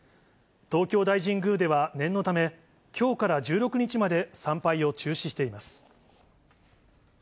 東京大神宮では念のため、きょうから１６日まで参拝を中止しています。